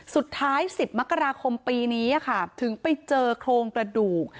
สุดท้าย๑๐มกราคมปีนี้ค่ะถึงไปเจอโครงกระดูก